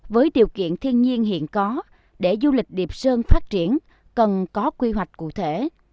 với điều kiện thiên nhiên hiện có để du lịch điệp sơn phát triển cần có quy hoạch cụ thể